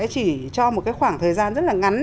chỉ cho một khoảng thời gian rất là ngắn